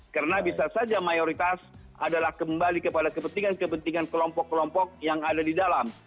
karena bisa saja mayoritas adalah kembali kepada kepentingan kepentingan kelompok kelompok yang ada di dalam